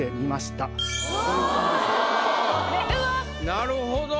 なるほど。